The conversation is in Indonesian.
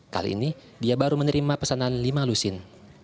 kali ini dia baru menerima pesanan lima lusin